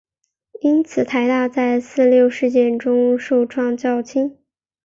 因此台大在四六事件中受创较轻。